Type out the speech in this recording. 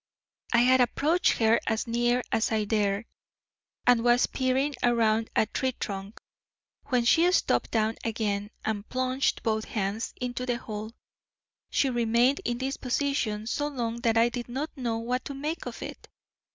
I had approached her as near as I dared, and was peering around a tree trunk, when she stooped down again and plunged both hands into the hole. She remained in this position so long that I did not know what to make of it.